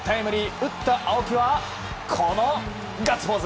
打った青木はこのガッツポーズ。